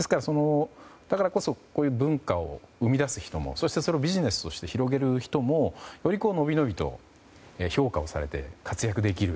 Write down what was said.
だからこそ文化を生み出す人もそれをビジネスとして広げる人もより、のびのびと評価をされて活躍できる。